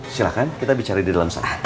silahkan kita bicara di dalam sana